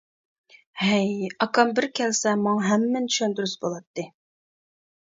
ھەي ئاكام بىر كەلسە ماڭا ھەممىنى بىر چۈشەندۈرسە بولاتتى.